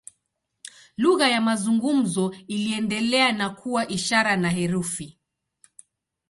Lugha ya mazungumzo iliendelea na kuwa ishara na herufi.